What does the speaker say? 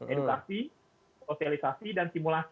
edukasi sosialisasi dan simulasi